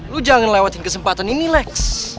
lo jangan lewatin kesempatan ini lex